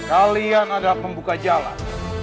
kalian adalah pembuka jalan